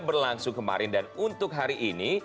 berlangsung kemarin dan untuk hari ini